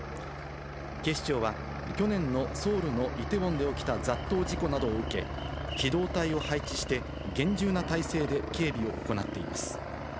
警視庁は去年のソウルのイテウォンで起きた雑踏事故などを受け、機動隊を配置して、厳重な態勢で警備を行っています。